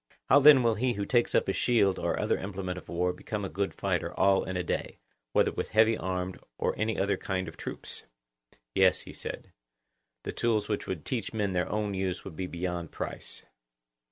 How then will he who takes up a shield or other implement of war become a good fighter all in a day, whether with heavy armed or any other kind of troops? Yes, he said, the tools which would teach men their own use would be beyond price.